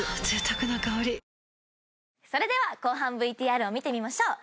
贅沢な香り後半ＶＴＲを見てみましょう。